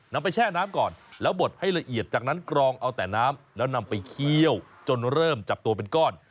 นำไปแช่น้ำก่อนแล้วบดให้ละเอียดจากนั้นกรองเอาแต่น้ำแล้วนำไปเคี่ยวจนเริ่มจับตัวเป็นก้อน